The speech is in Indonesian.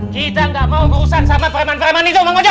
kita gak mau urusan sama preman preman itu mang ojo